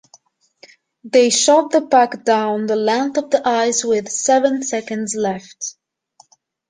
They shot the puck down the length of the ice with seven seconds left.